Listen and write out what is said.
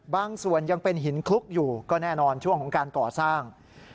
บางส่วนยังเป็นหินคลุกอยู่ก็แน่นอนช่วงของการก่อสร้าง